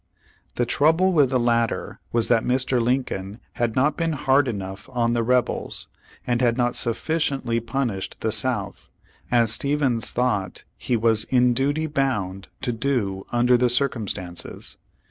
The trouble with the latter was that Mr. Lincoln had not been hard enough on the rebels, and had not sufficiently punished the South, as Stevens thought he was in duty bound to do under the circumstances.